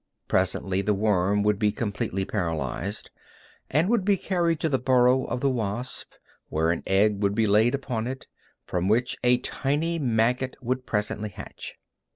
Presently the worm would be completely paralyzed, and would be carried to the burrow of the wasp, where an egg would be laid upon it, from which a tiny maggot would presently hatch.